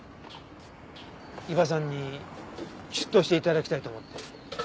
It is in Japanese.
伊庭さんに出頭して頂きたいと思って。